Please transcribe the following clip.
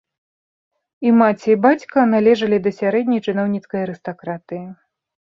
І маці, і бацька належалі да сярэдняй чыноўніцкай арыстакратыі.